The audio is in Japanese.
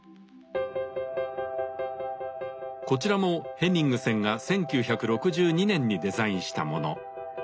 こちらもヘニングセンが１９６２年にデザインしたもの。